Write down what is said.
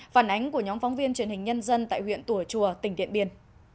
phản ánh của nhóm phóng viên truyền hình nhân dân tại huyện tùa chùa tỉnh điện biên